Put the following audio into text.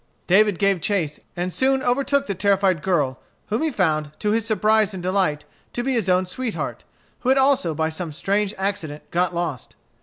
David gave chase, and soon overtook the terrified girl, whom he found, to his surprise and delight, to be his own sweetheart, who had also by some strange accident got lost.